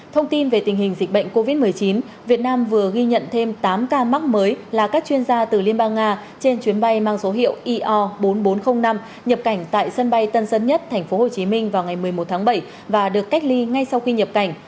thông tin về tình hình dịch bệnh covid một mươi chín việt nam vừa ghi nhận thêm tám ca mắc mới là các chuyên gia từ liên bang nga trên chuyến bay mang số hiệu io bốn nghìn bốn trăm linh năm nhập cảnh tại sân bay tân dân nhất tp hcm vào ngày một mươi một tháng bảy và được cách ly ngay sau khi nhập cảnh